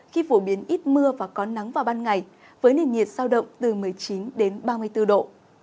khi phổ biến ít mưa và có nắng vào ban ngày với nền nhiệt sao động từ một mươi chín đến ba mươi bốn độ